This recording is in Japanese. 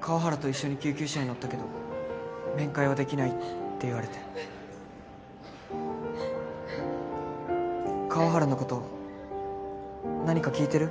川原と一緒に救急車に乗ったけど面会はできないって言われて川原のこと何か聞いてる？